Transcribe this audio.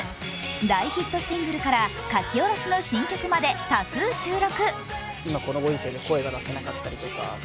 大ヒットシングルから書き下ろしの新曲まで多数収録。